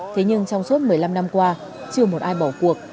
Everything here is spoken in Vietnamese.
thế nhưng trong suốt một mươi năm năm qua chưa một ai bỏ cuộc